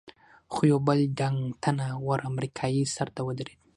خو یو بل ډنګ، تنه ور امریکایي سر ته ودرېد.